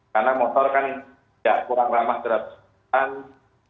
karena motor kan tidak kurang ramah terhadap sepeda motor